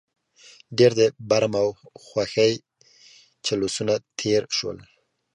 ډېر د برم او خوښۍ جلوسونه تېر شول.